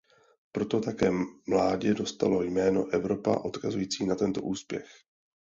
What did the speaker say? Proto také mládě dostalo jméno Evropa odkazující na tento úspěch.